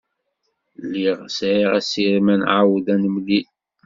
Lliɣ sɛiɣ asirem ad nɛawed ad nemlil.